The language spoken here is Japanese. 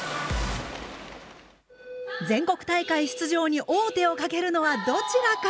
全国大会出場に王手をかけるのはどちらか？